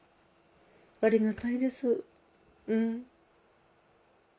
ありがたいです。